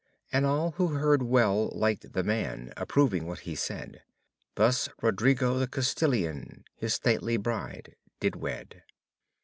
And all who heard well liked the man, approving what he said; Thus Rodrigo the Castilian his stately bride did wed."